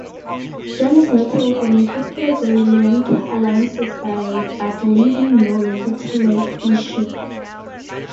John is notable for making three brilliant alliances but leaving no legitimate issue.